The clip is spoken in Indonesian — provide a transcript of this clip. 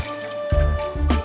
kita ke terminal